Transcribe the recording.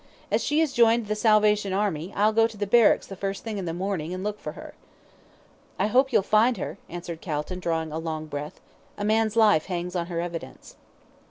As she has joined the Salvation Army, I'll go to the barracks the first thing in the morning and look for her." "I hope you'll find her," answered Calton, drawing a long breath. "A man's life hangs on her evidence."